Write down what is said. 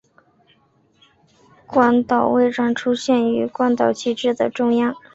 关岛徽章出现于关岛旗帜的中央。